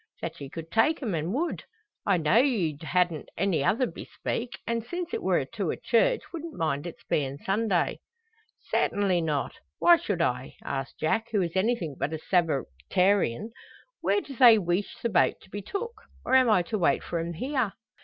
"That ye could take 'em, an' would. I know'd you hadn't any other bespeak; and since it wor to a church wouldn't mind its bein' Sunday." "Sartinly not. Why should I?" asks Jack, who is anything but a Sabbatarian. "Where do they weesh the boat to be took? Or am I to wait for 'em here?"